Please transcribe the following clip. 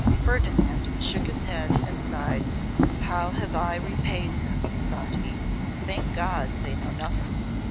Ferdinand shook his head and sighed. 'How have I repaid them,' thought he. 'Thank God, they know nothing.